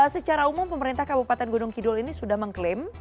secara umum pemerintah kabupaten gunung kidul ini sudah mengklaim